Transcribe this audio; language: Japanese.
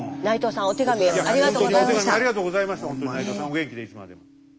お元気でいつまでも。